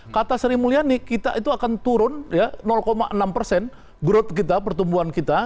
kata sri mulyani kita itu akan turun enam persen growth kita pertumbuhan kita